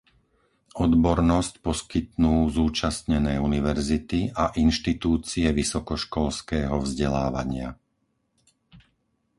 Odbornosť poskytnú zúčastnené univerzity a inštitúcie vysokoškolského vzdelávania.